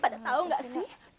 pada tahu nggak sih